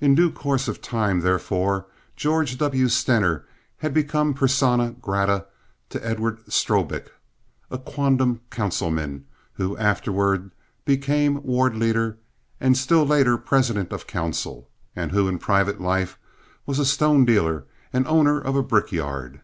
In due course of time, therefore, George W. Stener had become persona grata to Edward Strobik, a quondam councilman who afterward became ward leader and still later president of council, and who, in private life was a stone dealer and owner of a brickyard.